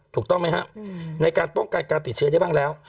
ถูกต้องไหมครับในการป้องกันการติดเชื้อได้บ้างแล้ว